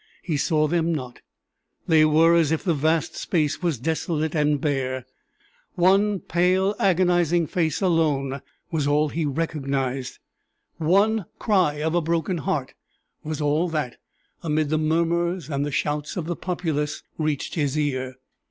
He saw them not; they were as if the vast space was desolate and bare; one pale agonizing face alone was all he recognized one cry of a broken heart was all that, amid the murmurs and the shouts of the populace, reached his ear.